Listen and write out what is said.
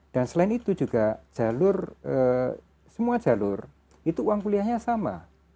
selain itu juga jalur semua jalur itu uang kuliahnya sama